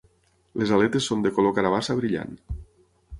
Les aletes són de color carabassa brillant.